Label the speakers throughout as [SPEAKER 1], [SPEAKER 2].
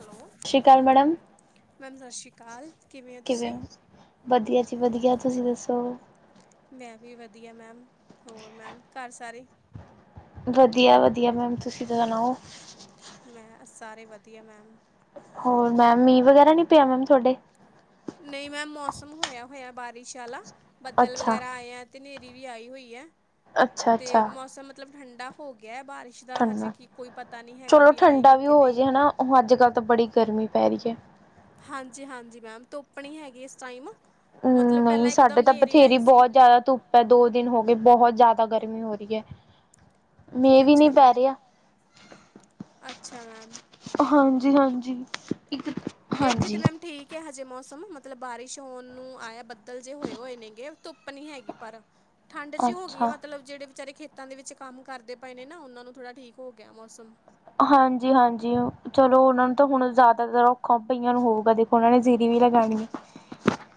[SPEAKER 1] Hello! ਸਤਿ ਸ਼੍ਰੀ ਅਕਾਲ ਮੈਡਮ, ਮੈਮ ਸਤਿ ਸ਼੍ਰੀ ਅਕਾਲ। ਕਿਵੇਂ ਹੋ ਤੁਸੀਂ?
[SPEAKER 2] ਵਧੀਆ ਜੀ, ਵਧੀਆ। ਤੁਸੀ ਦੱਸੋ?
[SPEAKER 1] ਮੈਂ ਵੀ ਵਧੀਆ ਮੈਮ, ਹੋਰ ਮੈਮ, ਘਰ ਸਾਰੇ?
[SPEAKER 2] ਵਧੀਆ-ਵਧੀਆ ਮੈਮ, ਤੁਸੀ ਦਾ ਸੁਣਾਓ?
[SPEAKER 1] ਮੈਂ, ਅ, ਸਾਰੇ ਵਧੀਆ ਮੈਮ।
[SPEAKER 2] ਹੋਰ ਮੈਮ, ਮੀਂਹ ਵਗੈਰਾ ਨਹੀਂ ਪਿਆ, ਮੈਮ ਤੁਹਾਡੇ?
[SPEAKER 1] ਨਹੀਂ ਮੈਮ, ਮੌਸਮ ਹੋਇਆ-ਹੋਇਆ ਬਾਰਿਸ਼ ਆਲਾ, ਬੱਦਲ ਵਗੈਰਾ ਆਇਆ ਤੇ ਨ੍ਹੇਰੀ ਵੀ ਆਈ ਹੋਈ ਹੈ, ਤੇ ਮੌਸਮ ਮਤਲਬ ਠੰਡਾ ਹੋਗਿਆ ਬਾਰਿਸ਼ ਦਾ, ਹਜੇ ਕੀ, ਕੋਈ ਪਤਾ ਨਹੀਂ ਹੈਗਾ, ਵੀ ਆਏਗੀ ਕਿ ਨਹੀਂ।
[SPEAKER 2] ਹੁਣ, ਅੱਜ-ਕੱਲ ਤਾ ਬੜੀ ਗਰਮੀ ਪੈ ਰਹੀ ਹੈ।
[SPEAKER 1] ਹਾਂਜੀ-ਹਾਂਜੀ, ਮੈਮ ਧੁਪ ਣੀ ਹੈਗੀ, ਇਸ ਟਾਈਮ।
[SPEAKER 2] ਹੂੰ, ਨਹੀਂ ਸਾਡੇ ਤਾਂ ਬਥੇਰੀ ਬਹੁਤ ਜ਼ਿਆਦਾ ਧੁੱਪ ਐ, ਦੋ-ਦਿਨ ਹੋਗੇ, ਬਹੁਤ ਜ਼ਿਆਦਾ ਗਰਮੀ ਹੋ ਰਹੀ ਹੈ।
[SPEAKER 1] ਅੱਛਾ ਮੈਮ, ਅੱਛਾ ਮੈਮ।
[SPEAKER 2] ਹਾਂਜੀ ਹਾਂਜੀ ਇੱਕ
[SPEAKER 1] ਇੱਥੇ ਤੇ ਮੈਮ ਠੀਕ ਹਜੇ ਮੌਸਮ ਮਤਲਬ ਬਾਰਿਸ਼ ਹੋਣ ਨੂੰ ਆਇਆ ਬੱਦਲ ਜੇ ਹੋਏ ਹੋਏ ਨੇਗੇ ਧੁੱਪ ਨੀ ਹੈਗੀ ਪਰ ਠੰਡ ਜਿਹੀ ਹੋ ਗਈ ਹੈ ਮਤਲਬ ਜਿਹੜੇ ਵਿਚਾਰੇ ਖੇਤਾਂ ਦੇ ਵਿੱਚ ਕੰਮ ਕਰਦੇ ਪਏ ਨੇ ਨਾ ਉਹਨਾਂ ਨੂੰ ਥੋੜਾ ਠੀਕ ਹੋ ਗਿਆ ਮੌਸਮ
[SPEAKER 2] ਹਾਂਜੀ ਹਾਂਜੀ ਚਲੋ ਉਹਨਾਂ ਨੂੰ ਤਾਂ ਹੁਣ ਜ਼ਿਆਦਾਤਰ ਔਖਾ ਪਈਆਂ ਨੂੰ ਹੋਊਗਾ ਦੇਖੋ ਉਹਨਾਂ ਨੇ ਜ਼ੀਰੀ ਵੀ ਲਗਣੀ ਹੈ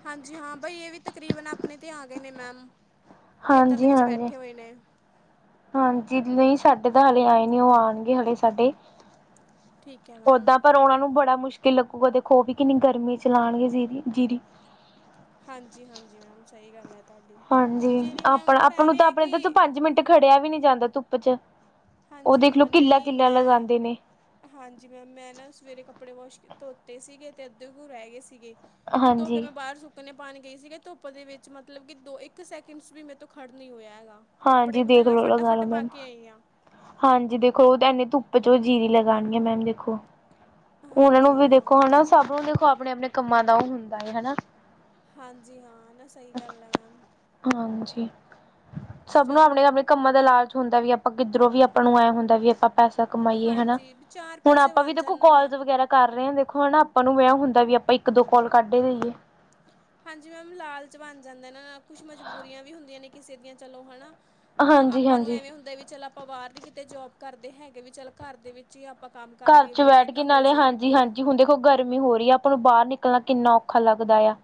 [SPEAKER 1] ਹਾਂਜੀ ਹਾਂ ਬਾਈ ਇਹ ਵੀ ਤਕਰੀਬਨ ਆਪਣੇ 'ਤੇ ਆ ਗਏ ਨੇ ਮੈਮ ਖੇਤਾਂ ਦੇ ਵਿੱਚ ਬੈਠੇ ਹੋਏ ਨੇ
[SPEAKER 2] ਹਾਂਜੀ ਨਹੀਂ ਸਾਡੇ ਤਾਂ ਹਲੇ ਆਏ ਨਹੀਂੀ ਉਹ ਆਉਣਗੇ ਹਲੇ ਸਾਡੇ ਓਦਾਂ ਪਰ ਉਹਨਾ ਨੂੰ ਬੜਾ ਮੁਸ਼ਕਿਲ ਕਿ ਲੱਗੂਗਾਦੇਖੋ ਵੀ ਕਿੰਨੀ ਗਰਮੀ ਚਲਾਉਣਗੇ ਜੀਰੀ ਜੀਰੀ
[SPEAKER 1] ਹਾਂਜੀ ਹਾਂਜੀ ਮੈਮ ਸਹੀ ਗੱਲ ਹੈ
[SPEAKER 2] ਹਾਂਜੀ ਆਪਣਾ ਆਪ ਨੂੰ ਤਾਂ ਆਪਣੇ ਤਾਂ ਤੂੰ ਪੰਜ ਮਿੰਟ ਖੜਿਆ ਵੀ ਨਹੀਂੀ ਜਾਂਦਾ ਧੁੱਪ ਚ ਉਹ ਦੇਖਲੋ ਕਿੱਲਾ ਕਿੱਲਾ ਲਗਾਉਂਦੇ ਨੇ
[SPEAKER 1] ਹਾਂਜੀ ਮੈ ਮੈਂ ਨਾ ਸਵੇਰੇ ਕੱਪੜੇ ਵਾਸ਼ ਧੋਤੇ ਸੀਗੇ ਤੇ ਅੱਧੇ ਘ ਰਹਿ ਗਏ ਸੀਗੇ ਹੁਣ ਧੋ ਕੇ ਮੈਂ ਬਾਹਰ ਸੁੱਕ ਧੱਕ ਨੇ ਪਾਣੀ ਗਈ ਸੀਗੀ ਧੁੱਪ ਦੇ ਵਿੱਚ ਮਤਲਬ ਕਿ ਦੋ ਇੱਕ ਸੈਕਿੰਡਸ ਵੀ ਮੇਰੇ ਤੋਂ ਖੜ ਨਹੀਂ ਹੋਇਆ ਹੈਗਾ ਕੱਪੜੇ ਵੀ ਮੈਂ ਨਾ ਫਟਾਫਟ ਪਾ ਕੇ ਆਈ ਹਾਂ
[SPEAKER 2] ਹਾਂਜੀ ਦੇਖੋ ਉਹ ਐਨੇ ਧੁੱਪ ਚ ਜੀਰੀ ਲਗਾਣੀ ਹੈ ਮੈਮ ਦੇਖੋ ਉਹਨਾਂ ਨੂੰ ਵੀ ਦੇਖੋ ਹਨਾ ਸਭ ਨੂੰ ਦੇਖੋ ਆਪਣੇ ਆਪਣੇ ਕੰਮਾਂ ਦਾ ਉਹ ਹੁੰਦਾ ਹੈ ਹਨਾ
[SPEAKER 1] ਹਾਂਜੀ ਹਾਂ ਨਾ ਸਹੀ ਗੱਲ ਆ ਮੈਮ
[SPEAKER 2] ਹਾਂਜੀ ਸਭ ਨੂੰ ਆਪਣੇ ਆਪਣੇ ਕੰਮਾਂ ਦਾ ਇਲਾਜ ਹੁੰਦਾ ਵੀ ਆਪਾਂ ਕਿੱਧਰੋਂ ਵੀ ਆਪਾਂ ਨੂੰ ਆਇਆ ਹੁੰਦਾ ਵੀ ਆਪਾਂ ਪੈਸਾ ਕਮਾਈਏ ਹਨਾ ਹੁਣ ਆਪਾਂ ਵੀ ਦੇਖੋ ਕਾਲ ਵਗੈਰਾ ਕਰ ਰਹੇ ਹਾਂ ਦੇਖੋ ਹਨਾ ਆਪਾਂ ਨੂੰ ਵਿਆਹ ਹੁੰਦਾ ਵੀ ਆਪਾਂ ਇੱਕ ਦੋ ਕੋਲ ਕੱਢ ਦੇਈਏ
[SPEAKER 1] ਹਾਂਜੀ ਮੈਮ ਲਾਲਚ ਬਣ ਜਾਂਦੇ ਨਾ ਕੁਛ ਮਜਬੂਰੀਆਂ ਵੀ ਹੁੰਦੀਆਂ ਨੇ ਕਿਸੇ ਦੀਆਂ ਚਲੋ ਹੈਾ ਅ ਆਪਾਂ ਨੂੰ ਐਵੇਂ ਹੁੰਦਾ ਵੀ ਚੱਲ ਆਪਾਂ ਬਾਹਰ ਨੀ ਕਿਤੇ ਜੋਬ ਕਰਦੇ ਹੈਗੇ ਵੀ ਚੱਲ ਘਰ ਦੇ ਵਿੱਚ ਜੇ ਆਪਾਂ ਕੰਮ ਕਰ ਲਈਏ ਵੀ ਏਦਾਂ ਹੋ ਜਾਏਗਾ ਅੱਗੇ
[SPEAKER 2] ਗਰਮੀ ਹੋ ਰਹੀ ਹੈ ਆਪਾਂ ਨੂੰ ਬਾਹਰ ਨਿਕਲਣਾ ਕਿੰਨਾ ਔਖਾ ਲੱਗਦਾ ਆ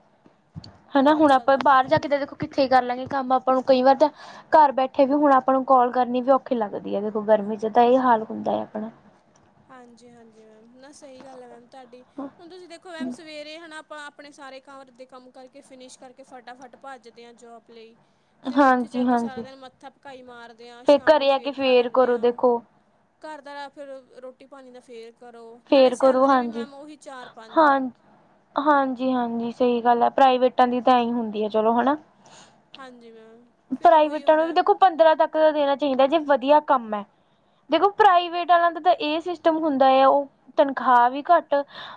[SPEAKER 2] ਹਨਾ ਹੁਣ ਆਪਾਂ ਬਾਹਰ ਜਾ ਕੇ ਤਾਂ ਦੇਖੋ ਇਕਥੇ ਕਰ ਲਾਂਗੇ ਕੰਮ ਆਪਾਂ ਨੂੰ ਕਈ ਵਾਰ ਤਾਂ ਘਰ ਬੈਠੇ ਵੀ ਹੁਣ ਆਪਾਂ ਨੂੰ ਕਾਲ ਕਰਨੀ ਵੀ ਔਖੀ ਲੱਗਦੀ ਹੈ ਦੇਖੋ ਗਰਮੀ ਚ ਤਾਂ ਇਹ ਹਾਲ ਹੁੰਦਾ ਹੈ ਆਪਣਾ
[SPEAKER 1] ਹਾਂਜੀ ਹਾਂਜੀ ਮੈਮ ਨਾ ਸਹੀ ਗੱਲ ਹੈ ਮੈਮ ਤੁਹਾਡੀ ਹੁਣ ਤੁਸੀਂ ਦੇਖੋ ਮੈਮ ਸਵੇਰੇ ਹੈ ਨਾ ਆਪਾਂ ਆਪਣੇ ਸਾਰੇ ਕਾਰਰ ਦੇ ਕੰਮ ਕਰਕੇ ਫਿਨਿਸ਼ ਕਰਕੇ ਫਟਾਫਟ ਭੱਜਦੇ ਹਾਂ ਜੋਬ ਲਈ ਫਿਰ ਉੱਥੇ ਜਾ ਕੇ ਸਾਰਾ ਦਿਨ ਮੱਥਾ ਪਕਾਈ ਮਾਰਦੇ ਹਾਂ, ਸ਼ਾਮ ਨੂੰ ਫੇਰ ਘਰ ਆਉਂਦੇ ਹਾਂ। ਘਰ ਦਾ ਫਿਰ ਰੋਟੀ-ਪਾਣੀ ਦਾ ਫੇਰ ਕਰੋ, ਨਾਲੇ ਸੈਲਰੀ ਵੀ ਮੈਮ ਉਹੀ ਚਾਰ-ਪੰਜ।
[SPEAKER 2] ਹਾਂਜੀ-ਹਾਂਜੀ। ਸਹੀ ਗੱਲ ਹੈ ਪ੍ਰਾਈਵੇਟਾਂ ਦੀ ਤਾਂ ਹੀ ਹੁੰਦੀ ਹੈ ਚਲੋ ਹੇਨਾ।
[SPEAKER 1] ਹਾਂਜੀ। ਮੈਮ ਫਿਰ ਉਹੀ ਹੁੰਦਾ।
[SPEAKER 2] ਪੰਦਰਾਂ ਤੱਕ ਦਾ ਦੇਣਾ ਚਾਹੀਦਾ। ਜੇ ਵਧੀਆ ਕੰਮ ਹੈ। ਦੇਖੋ ਪ੍ਰਾਈਵੇਟ ਵਾਲਾ ਦਾ ਤਾਂ ਇਹ ਸਿਸਟਮ ਹੁੰਦਾ ਆ, ਉਹ ਤਨਖਾਹ ਵੀ ਘੱਟ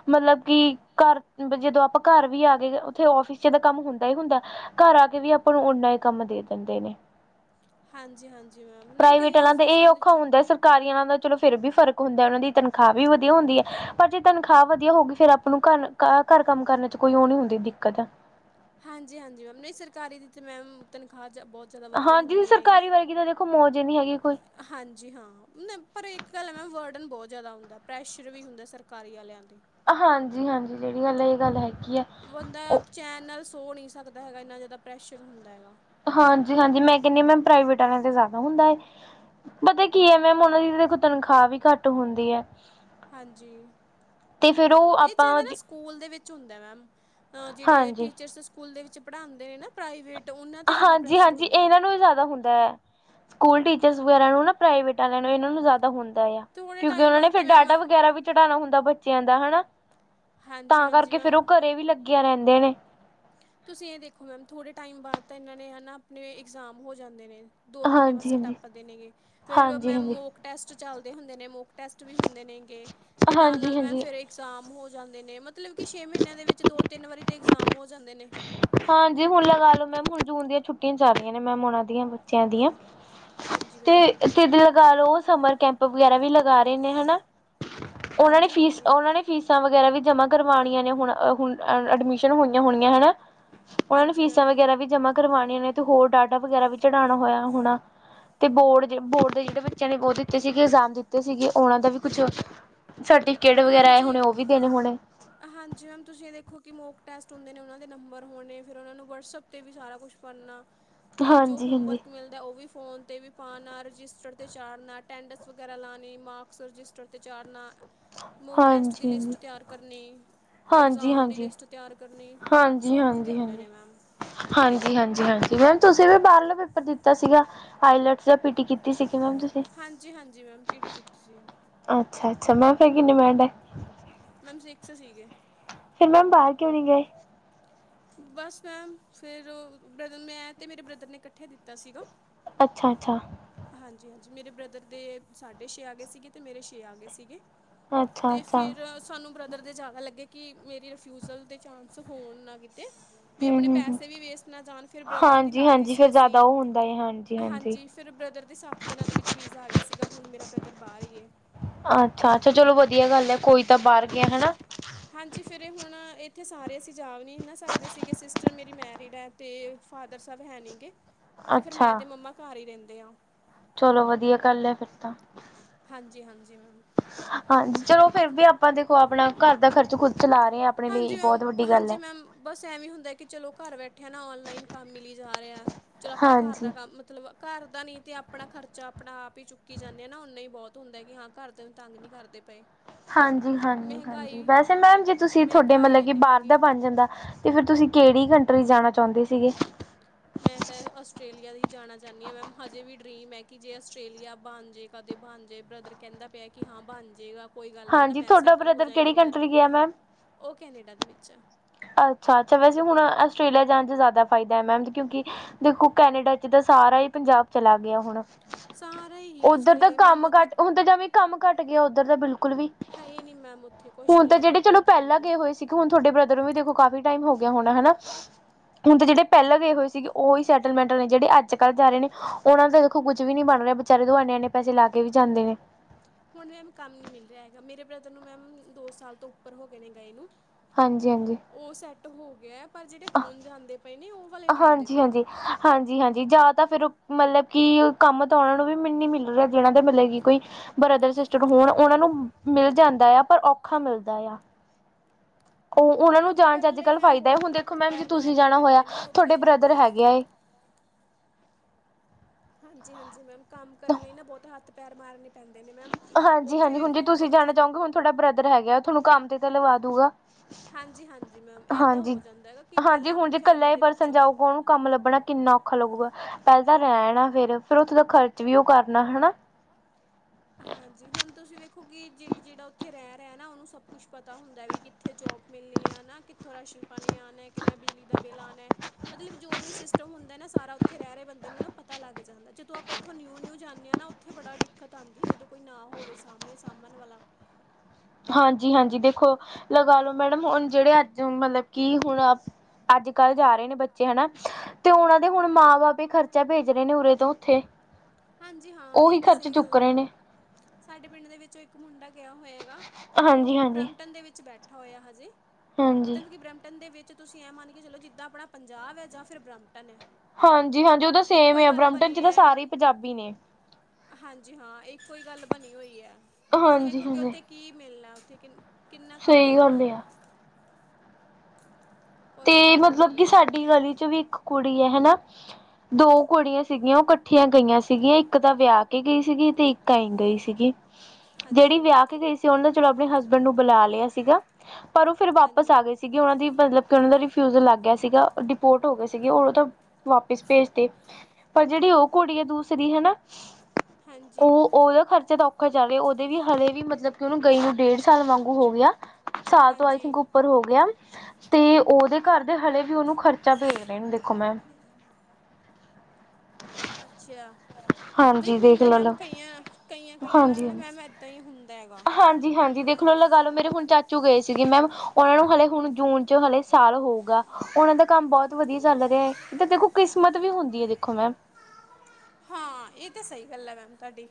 [SPEAKER 2] ਮਤਲਬ ਕਿ ਘਰ ਜਦੋਂ ਆਪਾਂ ਘਰ ਵੀ ਆ ਗਏ, ਉੱਥੇ ਆਫ਼ਿਸ ਚ ਕੰਮ ਹੁੰਦਾ ਹੀ ਹੁੰਦਾ। ਘਰ ਆ ਕੇ ਵੀ ਆਪਾਂ ਨੂੰ ਨਾ ਹੀ ਕੰਮ ਦੇ ਦਿੰਦੇ ਨੇ।
[SPEAKER 1] ਹਾਂਜੀ-ਹਾਂਜੀ।
[SPEAKER 2] ਪ੍ਰਾਈਵੇਟ ਵਾਲਾ ਦਾ ਇਹ ਔਖਾ ਹੁੰਦਾ। ਸਰਕਾਰੀ ਵਾਲਾ ਦਾ ਚਲੋ ਫਿਰ ਵੀ ਫ਼ਰਕ ਹੁੰਦਾ। ਉਹਨਾਂ ਦੀ ਤਨਖਾਹ ਵੀ ਵਧੀਆ ਹੁੰਦੀ ਹੈ। ਪਰ ਜੇ ਤਨਖਾਹ ਵਧੀਆ ਹੋ ਗਈ। ਫਿਰ ਆਪਾਂ ਨੂੰ ਘਰ-ਘਰ ਕੰਮ ਕਰਨੇ ਚ ਕੋਈ ਉਹ ਨਹੀਂ ਹੁੰਦੀ ਦਿੱਕਤ।
[SPEAKER 1] ਹਾਂਜੀ-ਹਾਂਜੀ। ਮੈਮ ਨਹੀਂ ਸਰਕਾਰੀ ਦੀ ਮੈਮ ਤਨਖਾਹ ਬਹੁਤ
[SPEAKER 2] ਹਾਂਜੀ। ਸਰਕਾਰੀ ਵਰਗੀ ਤਾਂ ਦੇਖੋ ਮੌਜ ਹੀ ਨਹੀਂ ਹੈਗੀ ਕੋਈ।
[SPEAKER 1] ਹਾਂਜੀ। ਹਾਂ, ਨੀ ਪਰ ਇੱਕ ਗੱਲ ਹੈ। ਮੈਮ ਬਰਡਨ ਬਹੁਤ ਜ਼ਿਆਦਾ ਹੁੰਦਾ, ਪ੍ਰੈਸ਼ਰ ਵੀ ਹੁੰਦਾ ਸਰਕਾਰੀ ਵਾਲਿਆਂ ਤੇ।
[SPEAKER 2] ਹਾਂਜੀ-ਹਾਂਜੀ। ਜਿਹੜੀ ਗੱਲ ਹੈ ਇਹ ਗੱਲ ਹੈਗੀ ਆ।
[SPEAKER 1] ਬੰਦਾ ਚੈਨ ਨਾਲ ਸੋ ਨਹੀਂ ਸਕਦਾ ਹੈਗਾ, ਇੰਨਾ ਜ਼ਿਆਦਾ ਪ੍ਰੈਸ਼ਰ ਹੁੰਦਾ ਹੈਗਾ।
[SPEAKER 2] ਹਾਂਜੀ-ਹਾਂਜੀ। ਮੈਂ ਕਹਿੰਦੀ ਮੈਮ ਪ੍ਰਾਈਵੇਟ ਵਾਲਿਆਂ ਤੇ ਜ਼ਿਆਦਾ ਹੁੰਦਾ ਹੈ। ਪਤਾ ਕੀ ਹੈ, ਮੈਮ ਉਹਨਾਂ ਦੀ ਦੇਖੋ ਤਨਖਾਹ ਵੀ ਘੱਟ ਹੁੰਦੀ ਹੈ।
[SPEAKER 1] ਇਹ ਜ਼ਿਆਦਾ ਨਾ ਸਕੂਲ ਦੇ ਵਿੱਚ ਹੁੰਦਾ ਮੈਮ ਜਿਹੜੇ ਟੀਚਰਸ ਸਕੂਲ ਦੇ ਵਿੱਚ ਪੜ੍ਹਾਉਂਦੇ ਨੇ ਨਾ। ਪ੍ਰਾਈਵੇਟ ਉਹਨਾਂ
[SPEAKER 2] ਹਾਂਜੀ-ਹਾਂਜੀ। ਇਹਨਾਂ ਨੂੰ ਵੀ ਜ਼ਿਆਦਾ ਹੁੰਦਾ ਹੈ। ਸਕੂਲ ਟੀਚਰਸ ਵਗੈਰਾ ਨੂੰ ਨਾ ਪ੍ਰਾਈਵੇਟ ਵਾਲਿਆਂ ਨੂੰ। ਇਹਨਾਂ ਨੂੰ ਜ਼ਿਆਦਾ ਹੁੰਦਾ ਆ। ਕਿਉਂਕਿ ਉਹਨਾ ਨੇ ਫਿਰ ਡਾਟਾ ਵਗੈਰਾ ਵੀ ਚੜ੍ਹਾਉਣਾ ਹੁੰਦਾ ਬੱਚਿਆਂ ਦਾ ਹਨਾ। ਤਾਂ ਕਰਕੇ ਫੇਰ ਉਹ ਘਰੇ ਵੀ ਲੱਗੀਆਂ ਰਹਿੰਦੇ ਨੇ।
[SPEAKER 1] ਤੁਸੀਂ ਇਹ ਦੇਖੋ ਮੈਮ ਥੋੜ੍ਹੇ ਟਾਈਮ ਬਾਅਦ ਤਾਂ ਇਹਨਾਂ ਨੇ ਹੈ ਨਾ ਆਪਣੇ ਇਗਜ਼ਾਮ ਹੋ ਜਾਂਦੇ ਨੇ। ਦੋ ਮਹੀਨੇ ਮਸਾ ਟੱਪਦੇ ਨੇਗੇ। ਫਿਰ ਮੈਮ ਮੋਕ ਟੈਸਟ ਚੱਲਦੇ ਹੁੰਦੇ ਨੇ ਮੋਕ ਟੈਸਟ ਵੀ ਹੁੰਦੇ ਨੇ ਗਏ, ਤੇ ਨਾਲ-ਨਾਲ ਮੈਮ ਫਿਰ ਇਗਜ਼ਾਮ ਹੋ ਜਾਂਦੇ ਨੇ ਮਤਲਬ ਕਿ ਛੇ ਮਹੀਨਿਆਂ ਦੇ ਵਿੱਚ ਦੋ-ਤਿੰਨ ਵਾਰੀ ਤੇ ਇਗਜ਼ਾਮ ਹੋ ਜਾਂਦੇ ਨੇ।
[SPEAKER 2] ਹਾਂਜੀ। ਹੁਣ ਲਗਾ ਲੋ ਮੈਮ ਹੁਣ ਜੂਨ ਦੀਆਂ ਛੁੱਟੀਆਂ ਚੱਲ ਰਹੀਆਂ ਨੇ ਮੈਮ ਉਹਨਾਂ ਦੀਆਂ। ਬੱਚਿਆਂ ਦੀਆਂ, ਤੇ ਕਿਸਧ ਲਗਾ ਲਓ, ਉਹ ਸਮਰ ਕੈਂਪ ਵਗੈਰਾ ਵੀ ਲਗਾ ਰਹੇ ਨੇ ਹਨਾ? ਉਹਨਾਂ ਨੇ ਫੀਸ ਉਹਨਾਂ ਨੇ। ਫੀਸਾਂ ਵਗੈਰਾ ਵੀ ਜਮਾ ਕਰਵਾਉਣੀਆਂ ਨੇ ਹੁਣ-ਹੁਣ, ਅਡਮਿਸ਼ਨ ਹੋਈਆ ਹੋਣੀਆਂ ਹਨਾ। ਉਹਨਾ ਨੂੰ ਫੀਸਾਂ ਵਗੈਰਾ ਵੀ ਜਮਾ ਕਰਵਾਉਣੀਆਂ ਨੇ ਤੇ, ਹੋਰ ਡਾਟਾ ਵਗੈਰਾ ਵੀ ਚੜਾਉਣਾ ਹੋਇਆ ਹਣਾ ਤੇ ਬੋਰਡ-ਬੋਰਡ ਦੇ ਜਿਹੜੇ ਬੱਚਿਆਂ ਨੇ ਬਹੁਤ ਦਿੱਤੇ ਸੀਗੇ ਇਗਜ਼ਾਮ ਦਿੱਤੇ ਸੀਗੇ। ਉਹਨਾਂ ਦਾ ਵੀ ਕੁਛ ਸਰਟੀਫਿਕੇਟ ਵਗੈਰਾ ਆਏ ਹੋਣੇ, ਉਹ ਵੀ ਦੇਣੇ ਹੋਣੇ।
[SPEAKER 1] ਹਾਂਜੀ। ਮੈਮ, ਤੁਸੀਂ ਇਹ ਦੇਖੋ ਕਿ ਮੋਕ ਟੈਸਟ ਹੁੰਦੇ ਨੇ। ਉਹਨਾਂ ਦੇ ਨੰਬਰ ਹੋਣੇ, ਫਿਰ ਉਹਨਾਂ ਨੂੰ ਵਟਸਐਪ ਤੇ ਵੀ ਸਾਰਾ ਕੁਛ ਪੜ੍ਹਨਾ, ਤੇ ਜੋ ਹੋਮਵਰਕ ਮਿਲਦਾ। ਉਹ ਵੀ ਫੋਨ ਤੇ ਵੀ ਪਾਉਣਾ ਰਜਿਸਟਰ ਤੇ ਚਾੜਨਾ, ਅਟੈਂਡਸ ਵਗੈਰਾ ਲਾਉਣੀ, ਮਾਕ ਰਜਿਸਟਰ ਚ ਚਾੜਨਾ, ਮੋਕ ਟੈਸਟ ਦੀ ਲਿਸਟ ਤਿਆਰ ਕਰਨੀ। ਇਗਜ਼ਾਮ ਦੀ ਲਿਸਟ ਤਿਆਰ ਕਰਨੀ, ਸੋ ਪੰਗੇ ਹੁੰਦੇ ਨੇ ਮੈਮ।
[SPEAKER 2] ਹਾਂਜੀ, ਹਾਂਜੀ, ਹਾਂਜੀ। ਮੈਮ ਤੁਸੀਂ ਵੀ ਬਾਹਰਲਾ ਪੇਪਰ ਦਿੱਤਾ ਸੀਗਾ। ਹਾਈਲਟਸ ਜਾਂ ਪੀ ਟੀ ਕੀਤੀ ਸੀਗੀ ਮੈਮ ਤੁਸੀਂ?
[SPEAKER 1] ਹਾਂਜੀ-ਹਾਂਜੀ। ਮੈਮ ਪੀ ਟੀ ਕੀਤੀ ਸੀ।
[SPEAKER 2] ਅੱਛਾ-ਅੱਛਾ। ਮੈਮ ਫਿਰ ਕਿੰਨੇ ਬੈਂਡ ਆਏ?
[SPEAKER 1] ਮੈਮ ਸਿਕਸ ਸੀਗੇ।
[SPEAKER 2] ਤੇ ਮੈਮ ਬਾਹਰ ਕਿਉਂ ਨਹੀਂ ਗਏ?
[SPEAKER 1] ਬਸ ਮੈਮ ਫਿਰ ਬ ਮੈਂ ਤੇ ਮੇਰੇ ਬ੍ਰਦਰ ਨੇ ਇਕੱਠੇ ਦਿੱਤਾ ਸੀਗਾ।
[SPEAKER 2] ਅੱਛਾ-ਅੱਛਾ।
[SPEAKER 1] ਹਾਂਜੀ-ਹਾਂਜੀ। ਮੇਰੇ ਬ੍ਰਦਰ ਦੇ ਸਾਢੇ ਛੇ ਆ ਗਏ ਸੀਗੇ, ਤੇ ਮੇਰੇ ਛੇ ਆ ਗਏ ਸੀਗੇ। ਤੇ ਫਿਰ ਸਾਨੂੰ ਬ੍ਰਦਰ ਦੇ ਜ਼ਿਆਦਾ ਲੱਗੇ ਕਿ ਮੇਰੀ ਰਿਫਿਊਜਲ ਦੇ ਚਾਂਸ ਹੋਣ ਨਾ ਕਿ ਅਤੇ ਵੀ ਆਪਣੇ ਪੈਸੇ ਵੀ ਵੇਸਟ ਨਾ ਜਾਣ ਫਿਰ ਬ੍ਰਦਰ ਦੀ ਲਾਤੀ ਸੀ ਅਸੀਂ ਹਾਂਜੀ ਫਿਰ ਬ੍ਰਦਰ ਦੇ ਸੱਤ ਦਿਨਾਂ ਦੇ ਵਿੱਚ ਵੀਜ਼ਾ ਆ ਗਿਆ ਸੀਗਾ ਹੁਣ ਮੇਰਾ ਬ੍ਰਦਰ ਬਾਹਰ ਹੀ ਏ
[SPEAKER 2] ਅੱਛਾ ਅੱਛਾ ਚਲੋ ਵਧੀਆ ਗੱਲ ਹੈ ਕੋਈ ਤਾਂ ਬਾਹਰ ਗਿਆ ਹਨਾ
[SPEAKER 1] ਹਾਂਜੀ ਫਿਰ ਹੁਣ ਇੱਥੇ ਸਾਰੇ ਅਸੀਂ ਜਾ ਵੀ ਨਹੀਂ ਨਾ ਸਕਦੇ ਸੀਗੇ ਸਿਸਟਰ ਮੇਰੀ ਮੈਰਿਡ ਹੈ ਤੇ ਫਾਦਰ ਸਾਬ ਹੈ ਨੀ ਗੇ ਤੇ ਫੇਿਰ ਮੈਂ ਤੇ ਮੰਮਾ ਘਰ ਹੀ ਰਹਿੰਦੇ ਆ
[SPEAKER 2] ਚਲੋ ਵਧੀਆ ਗੱਲ ਹੈ ਫਿਰ ਤਾਂ
[SPEAKER 1] ਹਾਂਜੀ ਹਾਂਜੀ ਮੈਮ
[SPEAKER 2] ਹਾਂਜੀ ਚਲੋ ਫਿਰ ਵੀ ਆਪਾਂ ਦੇਖੋ ਆਪਣਾ ਘਰ ਦਾ ਖਰਚ ਖੁਦ ਚਲਾ ਰਹੇ ਹਾਂ ਆਪਣੇ ਲਈ ਬਹੁਤ ਵੱਡੀ ਗੱਲ ਹੈ
[SPEAKER 1] ਬਸ ਐਵੇਂ ਹੁੰਦਾ ਕਿ ਚਲੋ ਘਰ ਬੈਠੇਿਆਂ ਨਾ ਨਲਾਈਨ ਕੰਮ ਮਿਲੀ ਜਾ ਰਿਹਾ ਚਲੋ ਆਪਣੇ ਘਰ ਦਾ ਕੰਮ ਮਤਲਬ ਘਰ ਦਾ ਨੀ ਤੇ ਆਪਣਾ ਖਰਚਾ ਆਪਣਾ ਆਪ ਹੀ ਚੁੱਕੀ ਜਾਂਦੇ ਆ ਨਾ ਨਾ ਹੀ ਬਹੁਤ ਹੁੰਦਾ ਕਿ ਹਾਂ ਘਰ ਦਾ ਤੰਗ ਨਹੀਂੀ ਕਰਦੇ [inaudible]
[SPEAKER 2] ਹਾਂਜੀ ਹਾਂਜੀ ਹਾਂਜੀ ਵੈਸੇ ਮੈਮ ਜੇ ਤੁਸੀਂ ਤੁਹਾਡੇ ਮਤਲਬ ਕਿ ਬਾਹਰ ਦਾ ਬਣ ਜਾਂਦਾ ਅਤੇ ਫਿਰ ਤੁਸੀਂ ਕਿਹੜੀ ਕੰਟਰੀ ਜਾਣਾ ਚਾਹੁੰਦੇ ਸੀਗੇ
[SPEAKER 1] ਮੈਂ ਤਾਂ ਆਸਟ੍ਰੇਲੀਆ ਹੀ ਜਾਣਾ ਚਾਹੁੰਦੀ ਹਾਂ ਮੈਮ। ਹਜੇ ਵੀ ਡਰੀਮ ਹੈ ਕਿ ਜੇ ਆਸਟ੍ਰੇਲੀਆ, ਬਣ ਜੇ ਕਦੇ ਬਣ ਜਾਏ। ਬ੍ਰਦਰ ਕਹਿੰਦਾ ਪਿਆ ਕਿ ਹਾਂ ਬਣ ਜਾਏਗਾ। ਕੋਈ ਗੱਲ ਨੀ। ਹੈ ਨਾ, ਮੈਂ ਸੈਟਲ ਹੋ ਜਾ ਇੱਕ ਵਾਰ। ਉਹ ਕੈਨੇਡਾ ਦੇ ਵਿੱਚ ਆ।
[SPEAKER 2] ਅੱਛਾ- ਅੱਛਾ, ਵੈਸੇ ਹੁਣ ਆਸਟ੍ਰੇਲੀਆ ਜਾਣ ਚ ਜ਼ਿਆਦਾ ਫਾਇਦਾ ਹੈ, ਮੈਮ। ਕਿਉਂਕਿ ਦੇਖੋ ਕੈਨੇਡਾ ਜਿੱਦਾਂ ਸਾਰਾ ਹੀ ਪੰਜਾਬ ਚਲਾ ਗਿਆ ਹੁਣ।
[SPEAKER 1] ਸਾਰੇ ਹੀ।
[SPEAKER 2] ਉੱਧਰ ਦਾ ਕੰਮ ਘੱਟ, ਹੁਣ ਤਾਂ ਜਵੇ ਕੰਮ ਘੱਟ ਗਿਆ। ਉੱਧਰ ਦਾ ਬਿਲਕੁਲ ਵੀ।
[SPEAKER 1] ਹੈ ਨਹੀਂ ਮੈਮ, ਉੱਥੇ ਕੁਛ ਨੀ ਹੈਗਾ ਕੋਈ ਕੰਮ ਨਹੀਂ।
[SPEAKER 2] ਦੇਖੋ ਹੁਣ ਤੁਹਾਡੇ ਬ੍ਰਦਰ ਨੂੰ ਵੀ ਦੇਖੋ, ਕਾਫੀ ਟਾਈਮ ਹੋ ਗਿਆ ਹੋਣਾ, ਹਨਾ। ਹੁਣ ਤੇ ਜਿਹੜੇ ਪਹਿਲ ਗਏ ਹੋਏ ਸੀਗੇ। ਉਹੀ ਸੈਟਲਮੈਂਟ ਨੇ। ਜਿਹੜੇ ਅੱਜ ਕੱਲ ਜਾ ਰਹੇ ਨੇ, ਉਹਨਾਂ ਦਾ ਦੇਖੋ ਕੁੱਝ ਵੀ ਨੀ ਬਣ ਰਹੇ। ਵੇਚਾਰੇ ਉਹ ਇਨੇ- ਇਨੇ ਪੈਸੇ, ਲਾ ਕੇ ਵੀ ਜਾਂਦੇ ਨੇ।
[SPEAKER 1] ਹੁਣ ਮੈਮ ਕੰਮ ਨੀ ਮਿਲ ਰਿਹਾ ਹੈਗਾ। ਮੇਰੇ ਬ੍ਰਦਰ ਨੂੰ ਮੈਮ, ਦੋ ਸਾਲ ਤੋਂ ਉੱਪਰ ਹੋ ਗਏ ਨੇ ਗਏ ਨੂੰ।
[SPEAKER 2] ਹਾਂਜੀ- ਹਾਂਜੀ।
[SPEAKER 1] ਉਹ ਸੈੱਟ ਹੋ ਗਿਆ ਹੈ। ਪਰ ਜਿਹੜੇ ਹੁਣ ਜਾਂਦੇ ਪਏ ਨੇ, ਉਹ ਵਾਲੇ ਨਹੀਂ ਹੁੰਦੇ ਪਏ।
[SPEAKER 2] ਹਾਂਜੀ- ਹਾਂਜੀ, ਜਾਂ ਤਾਂ ਫੇਰ ਮਤਲਬ ਕਿ ਕੰਮ ਤਾਂ, ਉਹਨਾਂ ਨੂੰ ਵੀ ਨੀ ਮਿਲ ਰਿਹਾ। ਜਿਹਨਾਂ ਦਾ ਮਤਲਬ ਕਿ ਕੋਈ ਬ੍ਰਦਰ, ਸਿਸਟਰ ਹੋਣ। ਉਹਨਾਂ ਨੂੰ ਮਿਲ ਜਾਂਦਾ ਆ ਪਰ ਔਖਾ ਮਿਲਦਾ ਆ। ਉਹ ਉਹਨਾਂ ਨੂੰ ਜਾਣ ਚ, ਅੱਜ ਕੱਲ ਫਾਇਦਾ ਏ। ਹੁਣ ਦੇਖੋ ਮੈਮ ਜੀ ਤੁਸੀਂ ਜਾਣਾ, ਹੋਇਆ ਤੁਹਾਡੇ ਬ੍ਰਦਰ ਹੈਗੇ ਏ।
[SPEAKER 1] ਹਾਂਜੀ- ਹਾਂਜੀ ਮੈਮ, ਕੰਮ ਕਰਨ ਲਈ ਨਾ ਬਹੁਤ ਹੱਥ- ਪੈਰ ਮਾਰਨ ਪਹਿੰਦੇ ਨੇ ਮੈਮ, ਉੱਥੇ ਵੇਖੋ ਤੁਸੀਂ ਕੈਨੇਡਾ ਜਾਓਗੇ ਉੱਥੇ ਤੁਹਾਡਾ ਬ੍ਰਦਰ ਹੈਗਾ। ਤੁਹਾਨੂੰ ਕੰਮ ਦੀ ਹਾਂਜੀ- ਹਾਂਜੀ ਮੈਮ, ਏਦਾਂ ਹੋ ਜਾਂਦਾ ਹੈਗਾ। ਕਿ ਪਹਿਲਾਂ ਆਪਣੀ ਫੈਮਲੀ ਦੇ ਵਿੱਚੋਂ।
[SPEAKER 2] ਕੰਮ ਲੱਭਣਾ ਕਿੰਨਾ ਔਖਾ ਲੱਗੂਗਾ। ਪਹਿਲਾਂ ਤਾਂ ਰਹਿਣਾ ਫੇਰ। ਫੇਰ ਉੱਥੇ ਦਾ ਖਰਚ ਵੀ ਉਹ ਕਰਨਾ। ਹਨਾ।
[SPEAKER 1] ਹਾਂਜੀ। ਹੁਣ ਤੁਸੀਂ ਵੇਖੋ ਕਿ ਜ ਜਿਹੜਾ ਉੱਥੇ ਰਹਿ ਰਿਹਾ। ਨਾ ਉਹਨੂੰ ਸਭ ਕੁਛ ਪਤਾ ਹੁੰਦਾ ਵੀ। ਕਿ ਕਿੱਥੇ ਜੋਬ ਮਿਲਣੀ ਹੈ ਨਾ, ਕਿੱਥੋਂ ਰਾਸ਼ਨ ਪਾਣੀ ਆਉਣਾ, ਕਿੰਨਾ ਬਿਜਲੀ ਦਾ ਬਿੱਲ ਆਉਣਾ। ਮਤਲਬ ਜੋ ਵੀ ਸਿਸਟਮ ਹੁੰਦਾ ਨਾ। ਸਾਰਾ ਉੱਥੇ ਰਹਿ ਰਹੇ ਬੰਦੇ ਨੂੰ ਨਾ ਪਤਾ ਲੱਗ ਜਾਂਦਾ। ਜਦੋਂ ਆਪਾਂ ਇੱਥੋਂ ਨਿਊ, ਨਿਊ ਜਾਂਦੇ ਹਾਂ ਨਾ। ਉੱਥੇ ਬੜਾ ਦਿੱਕਤ ਆਉਂਦੀ ਹੈ। ਜਦੋਂ ਕੋਈ ਨਾ ਹੋਵੇ ਸਾਹਮਣੇ ਸਭਣ ਵਾਲਾ।
[SPEAKER 2] ਹਾਂਜੀ- ਹਾਂਜੀ ਦੇਖੋ ਲਗਾ ਲਓ ਮੈਡਮ, ਹੁਣ ਜਿਹੜੇ ਅੱਜ ਮਤਲਬ ਕਿ ਹੁਣ ਅੱਜ ਕੱਲ ਜਾ ਰਹੇ ਨੇ ਬੱਚੇ, ਹਨਾ। ਤੇ ਉਹਨਾਂ ਦੇ ਹੁਣ, ਮਾਂ- ਬਾਪ ਹੀ ਖਰਚਾ ਭੇਜ ਰਹੇ ਨੇ ਉਰੇ ਤੋਂ ਉੱਥੇ।
[SPEAKER 1] ਹਾਂਜੀ ਹਾਂ। ਇਹ ਤਾਂ ਸਹੀ ਗੱਲ ਆ। ਸਾਡੇ ਪਿੰਡ ਦੇ ਵਿੱਚੋਂ, ਇੱਕ ਮੁੰਡਾ ਗਿਆ ਹੋਇਆ ਹੈਗਾ। ਉਹ ਬਰਮਟਨ ਦੇ ਵਿੱਚ ਬੈਠਾ। ਠਾ ਹੋਇਆ ਹਜੇ। ਮਤਲਬ ਕਿ ਬ੍ਰਹਿਮ ਬਰਮਟਨ ਦੇ ਵਿੱਚ ਤੁਸੀਂ ਐ ਮੰਨ ਕੇ ਚਲੋ, ਜਿੱਦਾਂ ਆਪਣਾ ਪੰਜਾਬ ਹੈ। ਜਾਂ ਫੇਰ ਬਰਮਟਨ ਹੈ।
[SPEAKER 2] ਹਾਂਜੀ- ਹਾਂਜੀ ਉਹਦਾ ਸੇਮ ਹੀ ਹੈ। ਬਰਮਟਨ ਚ ਤਾਂ ਸਾਰੇ ਪੰਜਾਬੀ ਨੇ।
[SPEAKER 1] ਹਾਂਜੀ ਹਾਂ। ਇੱਕੋ ਈ ਗੱਲ ਬਣੀ ਹੋਈ ਐ। ਤੁਸੀਂ ਦੇੇਖੋ ਕਿ ਉੱਥੇ ਕੀ ਮਿਲਣਾ। ਉੱਥੇ ਕਿ ਕਿੰਨਾ ਕੰਮ ਮਿਲਣਾ ਏ।
[SPEAKER 2] ਤੇ ਮਤਲਬ ਕਿ, ਸਾਡੀ ਗਲੀ ਚ ਵੀ ਇੱਕ ਕੁੜੀ ਹੈ ਹਨਾ। ਦੋ ਕੁੜੀਆਂ ਸੀਗੀਆਂ। ਉਹ ਇਕੱਠੀਆਂ ਗਈਆਂ ਸੀਗੀਆਂ। ਇੱਕ ਤਾਂ ਵਿਆਹ ਕੇ ਗਈ ਸੀਗੀ। ਤੇ ਇੱਕ ਆਈ ਗਈ ਸੀਗੀ। ਜਿਹੜੀ ਵਿਆਹ ਕੇ ਗਈ ਸੀ। ਉਹ ਨੇ ਚਲੋ ਆਪਣੇ ਹਸਬੈਂਡ ਨੂੰ ਬੁਲਾ ਲਿਆ ਸੀਗਾ। ਪਰ ਉਹ ਫੇਰ ਵਾਪਸ ਆ ਗਈ ਸੀ। ਸੀਗੇ, ਉਹਨਾਂ ਦੀ ਮਤਲਬ ਕਿ, ਉਹਨਾਂ ਦਾ ਰਿਫਿਊਜਲ ਲੱਗ ਗਿਆ ਸੀਗਾ। ਡਿਪੋਰਟ ਹੋ ਗਏ ਸੀਗੇ, ਉਹ, ਉਹ ਤਾਂ ਵਾਪਿਸ ਭੇਜ ਤੇ ਪਰ ਜਿਹੜੀ ਉਹ ਕੁੜੀ ਆ ਦੂਸਰੀ, ਹਨਾ। ਉਹ ਉਹਦਾ ਖਰਚਾ ਤਾਂ ਔਖਾ ਚੱਲ ਰਿਹਾ। ਉਹਦੇ ਵੀ ਹਲੇ ਵੀ ਮਤਲਬ ਕਿ, ਉਹਨੂੰ ਗਈ ਨੂੰ ਡੇਢ ਸਾਲ ਵਾਂਗੂ ਹੋ ਗਿਆ। ਸਾਲ ਤੋਂ ਆਈ ਥਿੰਕ ਉ ਉਪਰ ਹੋ ਗਿਆ। ਤੇ ਉਹਦੇ ਘਰ ਦੇ ਹਲੇ ਵੀ ਉਹਨੂੰ ਖ਼ਰਚਾ ਭੇਜ ਰਹੇ ਨੇ, ਦੇਖੋ ਮੈਂਮ
[SPEAKER 1] ਅੱਛਾ। ਨਹੀਂ ਹੁੰਦਾ ਮੈਮ, ਕਈਆਂ-ਕਈਆਂ, ਕਈਆਂ ਨਾਲ ਨਾ ਮੈਮ ਐ ਤੇ ਹੁੰਦਾ ਐ।
[SPEAKER 2] ਹਾਂਜੀ -ਹਾਂਜੀ ਦੇਖੋ। ਹੋਰ ਲਗਾ ਲੋ। ਮੇਰੇ ਹੁਣ ਚਾਚੂ ਗਏ ਸੀਗੇ ਮੈਮ, ਉਹਨਾਂ ਨੂੰ ਹਾਲਲੇ ਹੁਣ ਜੂਨ ਚ ਹਾਲੇ ਸਾਲ ਹੋਊਗਾ। ਉਹਨਾਂ ਦਾ ਕੰਮ ਬਹੁਤ ਵਧੀਆ ਚੱਲ ਰਿਹਾ ਐ। ਤਾਂ ਦੇਖੋ ਕਿਸਮਤ ਵੀ ਹੁੰਦੀ ਹੈ, ਦੇਖੋ ਮੈਮ।
[SPEAKER 1] ਹਾਂ। ਇਹ ਤਾਂ ਸਹੀ ਗੱਲ ਹੈ, ਮੈਮ ਤੁਹਾਡੀ।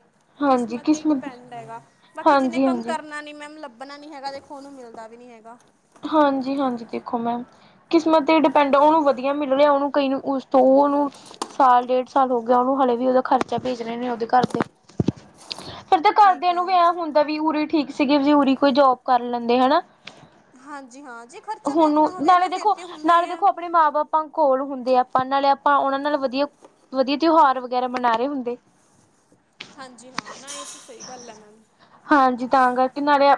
[SPEAKER 1] ਕਿਸਮਤ ਤੇ ਡਿਪੈਂਡ ਹੈਗਾ। ਬਾਕੀ ਜਿਹਨੇ ਕੰਮ ਕਰਨਾ ਨੀ। ਮੈਮ ਲੱਭਣਾ ਨੀ ਹੈਗਾ ਉਹਨੂੰ ਮਿਲਦਾ ਵੀ ਨੀ ਹੈਗਾ।
[SPEAKER 2] ਹਾਂਜੀ ਹਾਂਜੀ ਦੇਖੋ ਮੈਮ, ਕਿਸਮਤ ਤੇ ਡਿਪੈਂਡ ਉਹਨੂੰ ਵਧੀਆ ਮ ਹੁਣ ਉਹਨੂੰ ਕਈ ਰਿਸਤ ਉਹਨੂੰ ਸਾਲ- ਡੇਢ ਸਾਲ ਹੋ ਗਿਆ। ਉਹਨੂੰ ਹਲੇ ਵੀ ਉਹਦਾ ਖਰਚਾ ਭੇਜ ਰਹੇ ਨੇ, ਉਹਦੇ ਘਰ ਦੇ ਫੇਰ ਤੇ ਘਰਦਿਆਂ ਨੂੰ ਵੀ ਐ ਹੁੰਦਾ ਵੀ। ਉਰੀ ਠੀਕ ਸੀਗੇ ਵੀ ਉਰੀ ਕੋਈ ਜੋਬ ਕਰ ਲੈਂਦੇ ਹਨਾ।
[SPEAKER 1] ਹਾਂਜੀ, ਹਾਂ ਜੀ।
[SPEAKER 2] ਹੁਣ ਨਾਲੇ ਦੇਖੋ, ਨਾਲੇ ਦੇਖੋ ਆਪਣੇ ਮਾਂ ਬਾਪ ਆਪਾਂ ਕੋੋਲ ਹੁੰਦੇ ਆਪਾਂ। ਨਾਲੇ ਆਪਾਂ ਉਹਨਾਂ ਨਾਲ ਵਧੀਆ-ਵਧੀਆ ਤਿਉਹਾਰ ਵਗੈਰਾ ਮਨਾ ਰਹੇ ਹੁੰਦੇ।
[SPEAKER 1] ਹਾਂਜੀ ਹਾਂ। ਨਾ ਇਹ ਸਹੀ ਗੱਲ ਹੈ ਇੰਨਾ ਦੀ।
[SPEAKER 2] ਹਾਂਜੀ ਤਾਂ ਕਰਕੇ, ਨਾਲੇ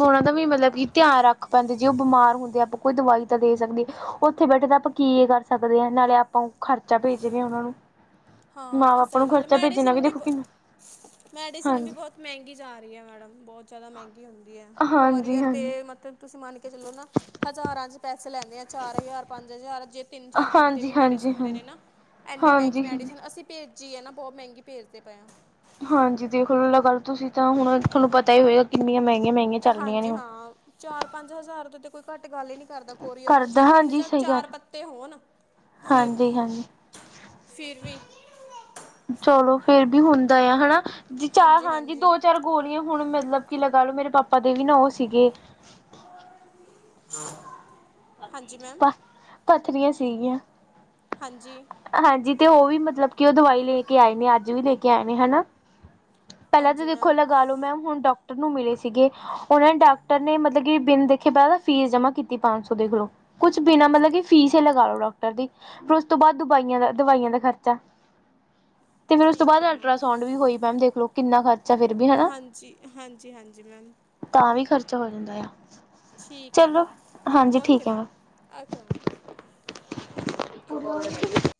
[SPEAKER 2] ਹੋਰਾ ਦਾ ਵੀ ਮਤਲਬ, ਕਿ ਧਿਆਨ ਰੱਖ ਪਾਦੇ ਜੀ, ਉਹ ਬਿਮਾਰ ਹੁੰਦੇ ਆਪ ਕੋਈ ਦਵਾਈ ਤਾਂ ਦੇ ਸਕਦੇ, ਉੱਥੇ ਬੈਠੇ ਤਾਂ ਆਪਾਂ ਕੀ ਕਰ ਸਕਦੇ ਹਾਂ। ਨਾਲੇ ਆਪਾਂ ਖਰਚਾ ਭੇਜ ਰਹੇ ਹਾਂ ਉਹਨਾਂ ਨੂੰ
[SPEAKER 1] ਹਾਂ ਨਾ ਸਹੀ ਗੱਲ। ਮੈਡੀਸਨ ਵੀ ਬੁ, ਮੈਡੀਸਨ ਵੀ ਬਹੁਤ ਮਹਿੰਗੀ ਜਾ ਰਹੀ ਹੈ ਮੈਡਮ, ਬਹੁਤ ਜ਼ਿਆਦਾ ਮਹਿੰਗੀ ਹੁੰਦੀ ਹੈ। ਕੋਰੀਅਰ ਦੇ ਮਤਲਬ ਤੁਸੀਂ ਮੰਨ ਕੇ ਚਲੋ ਨਾ। ਹਜ਼ਾਰਾਂ ਚ ਪੈਸੇ ਲੈਂਦੇ ਆ। ਚਾਰ ਹਜ਼ਾਰ- ਪੰਜ ਹਜ਼ਾਰ ਜੇ ਤਿੰਨ-ਚਾਰ ਪੱਤੇ ਵੀ ਮੈਡੀਸਨ ਦੇ ਨੇ ਨਾ। ਇਨੀ ਮਹਿੰਗੀ ਮੈਡੀਸਨ, ਅਸੀਂ ਭੇਜੀ ਆ ਨਾ ਬਹੁਤ ਮਹਿੰਗੀ ਭੇਜਦੇ ਪਏ ਆ।
[SPEAKER 2] ਹਾਂਜੀ ਦੇਖ ਲੋ ਗੱਲ ਤੁਸੀਂ ਤਾਂ। ਹੁਣ ਤੁਹਾਨੂੰ ਪਤਾ ਹੀ ਹੋਇਆ। ਇੰਨੇ ਮਹਿੰਗੇ-ਮਹਿੰਗੇ
[SPEAKER 1] ਹਾਂਜੀ ਹਾਂ। ਚਾਰ-ਪੰਜ ਹਜ਼ਾਰ ਤੋਂ ਤੇ ਕੋਈ ਘੱਟ ਗੱਲ ਹੀ ਨੀ ਕਰਦਾ ਕੋਰੀਅਰ ਨੂੰ। ਜਾਂ ਤਿੰਨ ਜਾਂ ਚਾਰ ਇਕੱਠੇ ਹੋਣ। ਫਿਰ ਵੀ
[SPEAKER 2] ਚਲੋ ਫੇਰ ਵੀ ਹੁੰਦਾ ਆ ਹਨਾ। ਚਾਰ ਹਾਂਜੀ ਦੋ-ਚਾਰ ਹੁਣ ਵੀ ਹੁਣ ਲਗਾ ਲਓ। ਮੇਰੇ ਪਾਪਾ ਦੇ ਵੀ ਨਾਲ ਸੀਗੇ।
[SPEAKER 1] ਹਾਂਜੀ ਮੈਮ
[SPEAKER 2] ਪੱਥਰੀਆਂ ਸੀਗੀਆਂ। ਹਾਂਜੀ। ਤੇ ਉਹ ਵੀ ਮਤਲਬ ਕਿ ਉਹ ਦਵਾਈ ਲੈ ਕੇ ਆਏ ਨੇ, ਅੱਜ ਵੀ ਲੈ ਕੇ ਆਏ ਨੇ ਹਨਾ। ਪਹਿਲਾਂ ਤਾਂ ਦੇਖੋ ਲਗਾ ਲੋ ਮੈਮ, ਹੁਣ ਡਾਕਟਰ ਨੂੰ ਮਿਲੇ ਸੀਗੇ। ਉਹਨਾਂ ਡਾਕਟਰ ਨੇ ਮਤਲਬ ਮਤਲਬ, ਕਿ ਬਿਨ ਦੇਖੇ ਪਹਿਲਾ ਫੀਸ ਜਮਾ ਕੀਤੀ ਪੰਜ ਸੌ ਦੇਖ ਲੋ। ਕੁਛ ਬਿਨਾਂ ਮਤਲਬ, ਕਿ ਫ਼ੀਸ ਹੀ ਲਗਾ ਲਓ। ਡਾ ਡਾਕਟਰ ਦੀ ਫਿਰ ਉਸ ਤੋਂ ਬਾਅਦ ਦਵਾਈਆਂ ਦਾ ਦਵਾਈਆਂ ਦਾ ਖਰਚਾ। ਤੇ ਫਿਰ ਉਸ ਤੋਂ ਬਾਅਦ ਅਲਟਰਾਸਾਊਂਡ ਵੀ ਹੋਈ ਮੈਮ, ਦੇਖਲੋ ਕਿੰਨਾ ਖਰਚਾ ਫਿਰ ਵੀ ਹਨਾ। ਤਾਂ ਵੀ ਖ਼ਰਚਾ ਹੋ ਜਾਂਦਾ ਆ।
[SPEAKER 1] ਠੀਕ ਹੈ ma'am, okay ma'am, okay ma'am.
[SPEAKER 2] [inaudible]